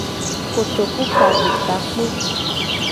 Kotoku ka ve takpo.